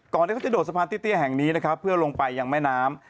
ที่เขาจะโดดสะพานเตี้ยแห่งนี้นะครับเพื่อลงไปยังแม่น้ำ